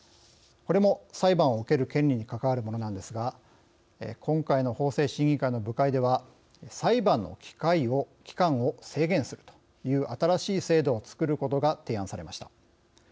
これも裁判を受ける権利に関わるものなんですが今回の法制審議会の部会では裁判の期間を制限するという新しい制度を作ることが提案されました。